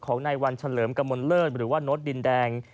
ของนายวันเฉลิมกระมวลเลิศหรือว่านดดินแดง